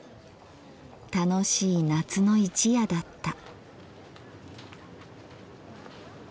楽しい夏の一夜だった」。